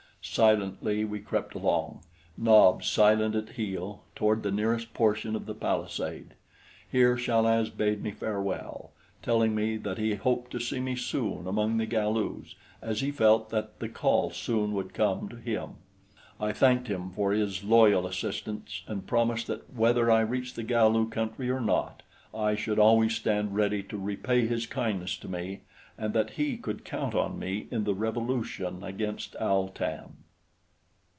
Silently we crept along, Nobs silent at heel, toward the nearest portion of the palisade. Here Chal az bade me farewell, telling me that he hoped to see me soon among the Galus, as he felt that "the call soon would come" to him. I thanked him for his loyal assistance and promised that whether I reached the Galu country or not, I should always stand ready to repay his kindness to me, and that he could count on me in the revolution against Al tan.